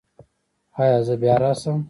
ایا زه بیا راشم؟